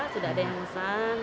sudah ada yang mesan